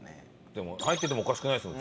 でも入っててもおかしくないですよ